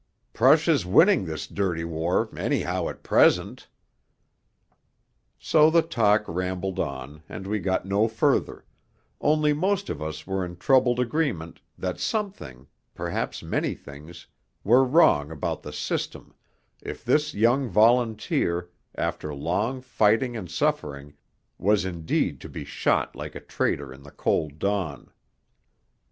'Prussia's winning this dirty war, anyhow, at present.' So the talk rambled on, and we got no further, only most of us were in troubled agreement that something perhaps many things were wrong about the System, if this young volunteer, after long fighting and suffering, was indeed to be shot like a traitor in the cold dawn.